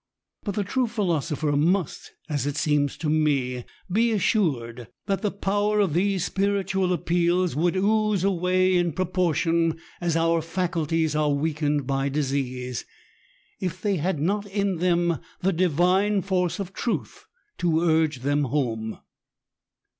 But the true phi losopher must, as it seems to me, be assured that the power of these spiritual appeals would ooze 174 B88ATB. away^ in proportion as our faculties are weakened by disease^ if they had not in them the divine force of truth to urge them home.